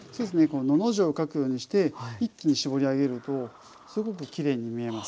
「の」の字を書くようにして一気に絞り上げるとすごくきれいに見えます。